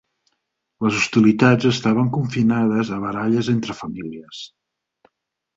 Les hostilitats estaven confinades a baralles entre famílies.